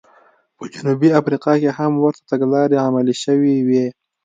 په جنوبي افریقا کې هم ورته تګلارې عملي شوې وې.